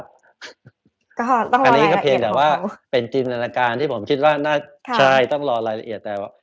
ก็ต้องรอรายละเอียดของเขาอันนี้ก็เพียงแต่ว่าเป็นทีมนาฬการณ์ที่ผมคิดว่าน่าใช่ต้องรอรายละเอียดแต่ว่า